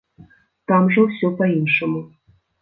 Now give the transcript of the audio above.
Там жа ўсё па-іншаму.